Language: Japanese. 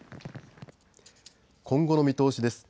今後の見通しです。